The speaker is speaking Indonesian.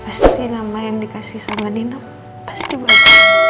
pasti nama yang dikasih sama nina pasti baik